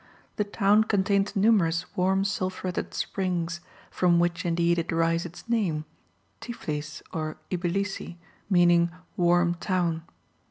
The town contains numerous warm sulphuretted springs, from which, indeed, it derives its name: Tiflis or Ibilissi, meaning "warm town."